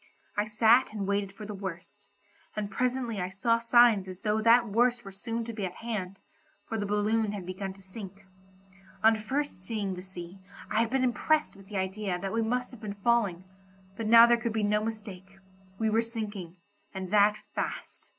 I sat and waited for the worst, and presently I saw signs as though that worst were soon to be at hand, for the balloon had begun to sink. On first seeing the sea I had been impressed with the idea that we must have been falling, but now there could be no mistake, we were sinking, and that fast.